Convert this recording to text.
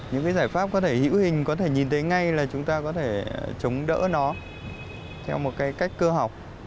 những cái giải pháp có thể hữu hình có thể nhìn thấy ngay là chúng ta có thể chống đỡ nó theo một cái cách cơ học